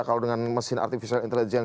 kalau dengan mesin artificial intelligence